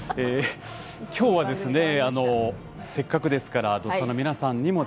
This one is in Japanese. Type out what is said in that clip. きょうはせっかくですから「土スタ」の皆さんにも。